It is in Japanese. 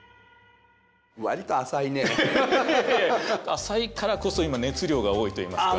浅いからこそ今熱量が多いといいますか。